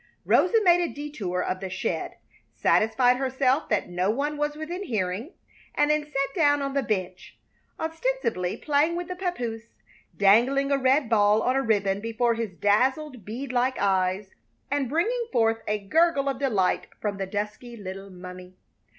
Rosa made a detour of the shed, satisfied herself that no one was within hearing, and then sat down on the bench, ostensibly playing with the papoose, dangling a red ball on a ribbon before his dazzled, bead like eyes and bringing forth a gurgle of delight from the dusky little mummy.